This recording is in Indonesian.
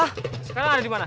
sekarang ada di mana